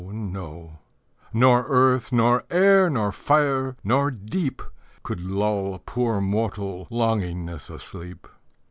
Nor earth, nor air, nor fire, nor deep Could lull poor mortal longingness asleep.